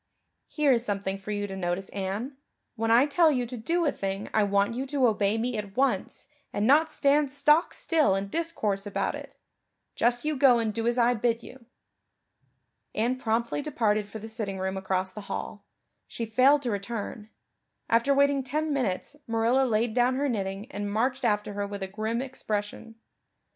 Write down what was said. "Here is something for you to notice, Anne. When I tell you to do a thing I want you to obey me at once and not stand stock still and discourse about it. Just you go and do as I bid you." Anne promptly departed for the sitting room across the hall; she failed to return; after waiting ten minutes Marilla laid down her knitting and marched after her with a grim expression.